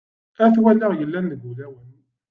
At wallaɣ yellan deg ul-awen.